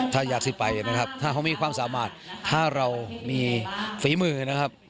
ถ้าอยากที่ไปนะครับถ้าเขามีความสามารถถ้าเรามีฝีมือนะครับ